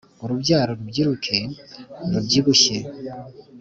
Urubyaro rubyiruke rubyibushye